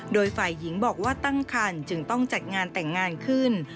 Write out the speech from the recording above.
โดยฝ่ายหญิงบอกว่าตั้งคันจึงต้องจัดงานแต่งงานขึ้น